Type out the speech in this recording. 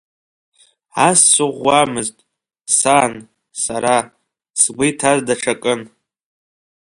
Ас сыӷәӷәамызт, сан, сара, сгәы иҭаз даҽакын.